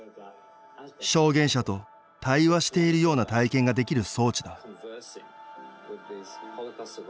証言者と「対話」しているような体験ができる装置だ